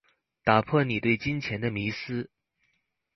打破你對金錢的迷思